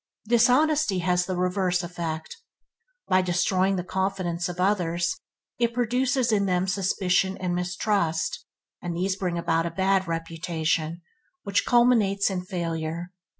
Dishonesty has the reverse effect. By destroying the confidence of others, it produces in them suspicion and mistrust, and these bring about a bad reputation, which culminates in failure.